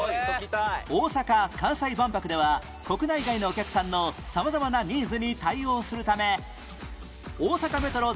大阪・関西万博では国内外のお客さんの様々なニーズに対応するため ＯｓａｋａＭｅｔｒｏ